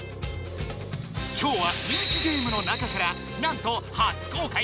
今日は人気ゲームの中からなんと初公開のとくべつ版まで！